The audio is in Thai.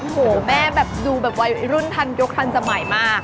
โอ้โหแม่แบบดูแบบวัยรุ่นทันยกทันสมัยมาก